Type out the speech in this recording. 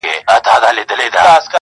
خو په زړو کي غلیمان د یوه بل دي؛